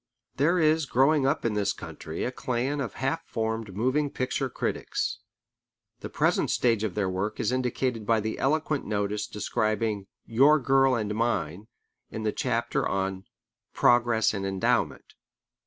There is growing up in this country a clan of half formed moving picture critics. The present stage of their work is indicated by the eloquent notice describing Your Girl and Mine, in the chapter on "Progress and Endowment."